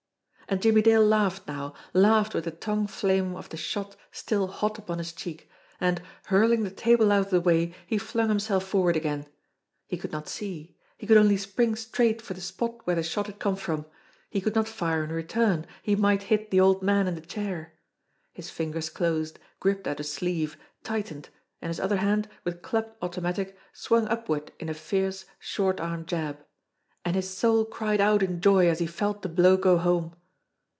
And Jimmie Dale laughed now, laughed with the tongue flame of the shot still hot upon his cheek, and, hurling the table out of the way, he flung himself forward again. He could not see. He could only spring straight for the spot where the shot had come from. lie could not fire in return he might hit the old man in the chair. His fingers closed, gripped at a sleeve, tightened, and his other hand, with clubbed automatic, swung upward in a fierce, short arm jab. And his soul cried out in joy as he felt the blow go home.